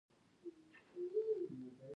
• شیدې د فزیکي فعالیت لپاره ضروري دي.